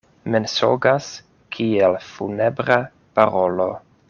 Mensogas kiel funebra parolo.